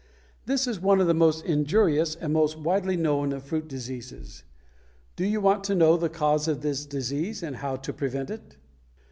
This is one of the most injurious and most widely known of fruit diseases. Do you want to know the cause of this disease and how to prevent it?